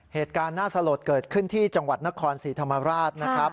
เหตุการณ์น่าสลดเกิดขึ้นที่จังหวัดนครศรีธรรมราชนะครับ